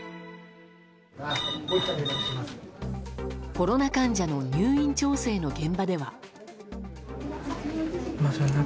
コロナ患者の入院調整の現場では。